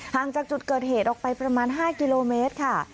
จากจุดเกิดเหตุออกไปประมาณ๕กิโลเมตรค่ะ